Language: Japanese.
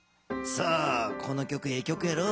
この曲ええ曲やろ？